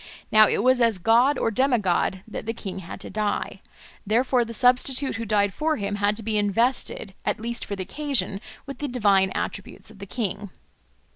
Now it was as a god or demigod that the king had to die; therefore the substitute who died for him had to be invested, at least for the occasion, with the divine attributes of the king.